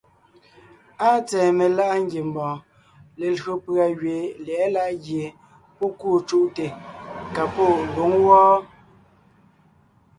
Áa tsɛ̀ɛ meláʼa ngiembɔɔn, lelÿò pʉ̀a gẅiin lyɛ̌ʼɛ láʼ gie pɔ́ kûu cúʼte ka pɔ́ lwǒŋ wɔ́ɔ.